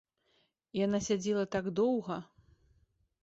Яна сядзела так доўга.